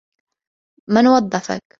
من وظّفك؟